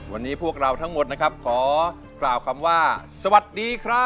วันนีพวกเราทั้งหมดขอขอบความว่าสวัสดีค่ะ